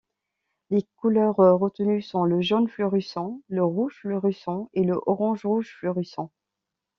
Les couleurs retenues sont le jaune fluorescent, le rouge fluorescent et le orange-rouge fluorescent.